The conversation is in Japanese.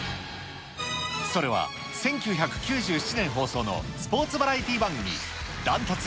それは、１９９７年放送のスポーツバラエティー番組、だんトツ！